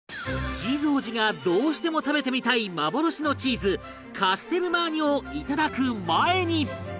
チーズ王子がどうしても食べてみたい幻のチーズカステルマーニョをいただく前に